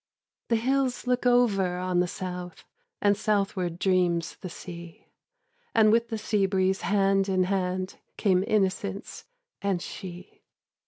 The hills look over on the South, And southward dreams the sea; And, with the sea breeze hand in hand, Came innocence and she.